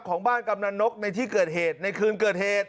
ของบ้านกำนันนกในที่เกิดเหตุในคืนเกิดเหตุ